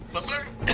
gak usah nak